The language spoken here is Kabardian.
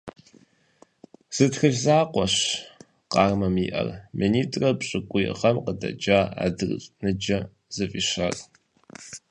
Зы тхылъ закъуэщ Къармэм иӀэр – минитӀрэ пщыкӀуй гъэм къыдэкӀа «АдрыщӀ ныджэ» зыфӀищар.